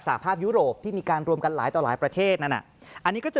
หภาพยุโรปที่มีการรวมกันหลายต่อหลายประเทศนั้นอันนี้ก็จะ